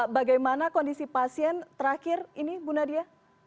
bagaimana kondisi pasien terakhir ini bu nadia